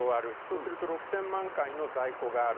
すると６０００万回分の在庫がある。